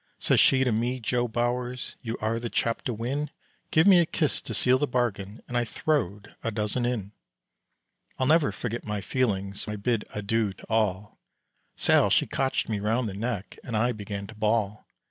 Says she to me, "Joe Bowers, You are the chap to win, Give me a kiss to seal the bargain," And I throwed a dozen in. I'll never forget my feelings When I bid adieu to all. Sal, she cotched me round the neck And I began to bawl.